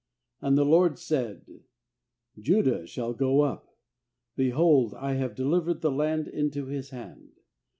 2And the LORD said: 'Judah shall go up; behold, I have delivered the land into his hand.'